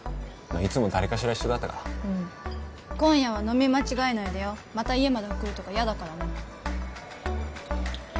いつも誰かしら一緒だったからうん今夜は飲み間違えないでよまた家まで送るとか嫌だからね